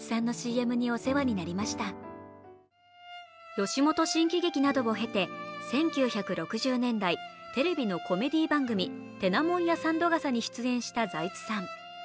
吉本新喜劇などを経て１９６０年代、テレビのコメディー番組「てなもんや三度笠」に出演した財津さん。